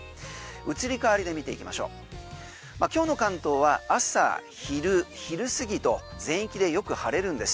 移り変わりで見ていきましょう今日の関東は朝、昼、昼過ぎと全域でよく晴れるんです。